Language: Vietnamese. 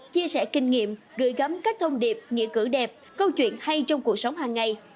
chia sẻ kinh nghiệm gửi gắm các thông điệp nghĩa cử đẹp câu chuyện hay trong cuộc sống hàng ngày